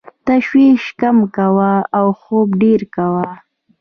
تشویش کم کوه او خوب ډېر کوه .